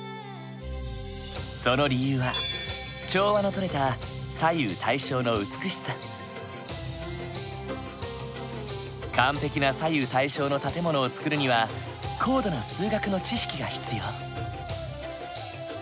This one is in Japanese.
その理由は調和のとれた完璧な左右対称の建物を造るには高度な数学の知識が必要。